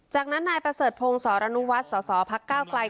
จากนั้นนายประเสริฐพงศรนุวัฒน์สสพักก้าวไกล